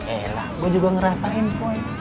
eh lah gue juga ngerasain poin